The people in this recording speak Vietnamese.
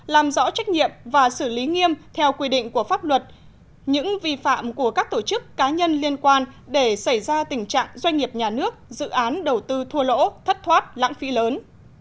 làm rõ trách nhiệm và xử lý nghiêm theo quy định của pháp luật những vi phạm của các tổ chức cá nhân liên quan để xảy ra tình trạng doanh nghiệp nhà nước dự án đầu tư thua lỗ thất thoát lãng phí lớn